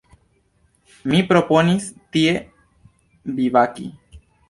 Mi proponis tie bivaki.